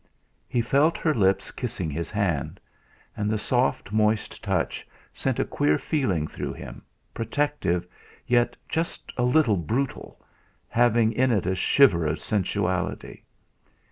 He felt her lips kissing his hand. And the soft moist touch sent a queer feeling through him, protective, yet just a little brutal, having in it a shiver of sensuality.